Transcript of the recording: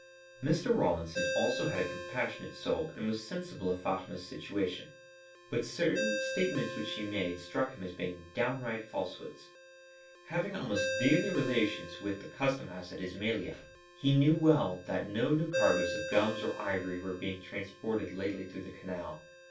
Mr. Rawlinson also had a compassionate soul and was sensible of Fatma's situation, but certain statements which she made struck him as being downright falsehoods. Having almost daily relations with the custom house at Ismailia, he well knew that no new cargoes of gums or ivory were being transported lately through the Canal.